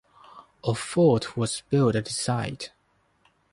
A fort was built at this site.